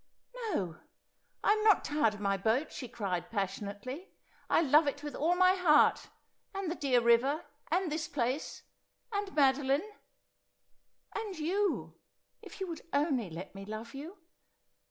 ' No, I am not tired of my boat,' she cried passionately. ' I love it with all my heart, and the dear river, and this place, and Madoline— and you — if you would only let me love you.